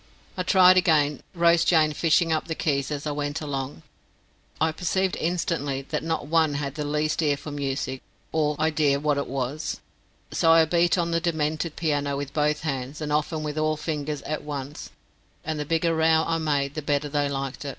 I tried again, Rose Jane fishing up the keys as I went along. I perceived instantly that not one had the least ear for music or idea what it was; so I beat on the demented piano with both hands, and often with all fingers at once, and the bigger row I made the better they liked it.